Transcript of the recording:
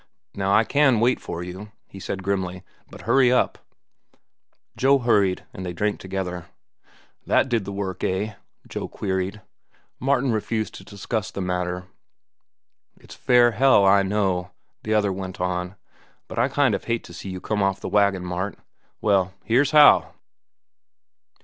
"Now, I can wait for you," he said grimly; "but hurry up." Joe hurried, and they drank together. "The work did it, eh?" Joe queried. Martin refused to discuss the matter. "It's fair hell, I know," the other went on, "but I kind of hate to see you come off the wagon, Mart. Well, here's how!"